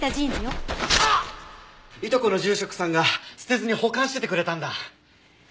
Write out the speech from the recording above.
いとこの住職さんが捨てずに保管しててくれたんだ。